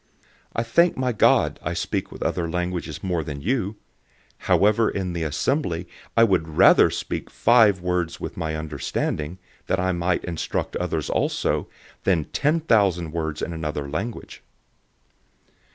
014:018 I thank my God, I speak with other languages more than you all. 014:019 However in the assembly I would rather speak five words with my understanding, that I might instruct others also, than ten thousand words in another language.